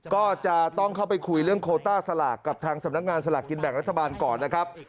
ก็จะต้องเข้าไปคุยเรื่องโคต้าสลากกับทางสำนักงานสลากกินแบ่งรัฐบาลก่อนนะครับ